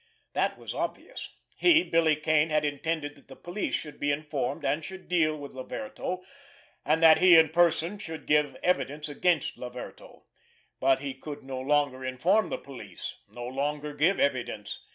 That was obvious. He, Billy Kane, had intended that the police should be informed and should deal with Laverto, and that he in person should give evidence against Laverto; but he could no longer inform the police, no longer give evidence.